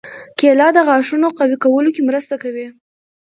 کېله د غاښونو قوي کولو کې مرسته کوي.